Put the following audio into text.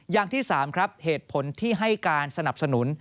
อย่างที่๓ครับเหตุผลที่ให้การสนับสนุน